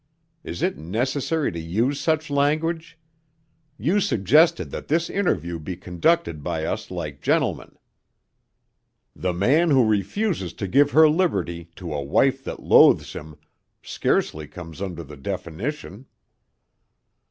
Is it necessary to use such language? You suggested that this interview be conducted by us like gentlemen." "The man who refuses to give her liberty to a wife that loathes him, scarcely comes under the definition."